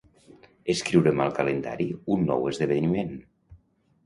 Escriure'm al calendari un nou esdeveniment.